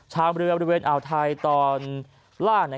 เรือบริเวณอ่าวไทยตอนล่าง